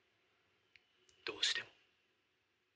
どうしても。